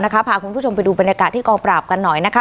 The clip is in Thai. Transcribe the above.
พาคุณผู้ชมไปดูบรรยากาศที่กองปราบกันหน่อยนะคะ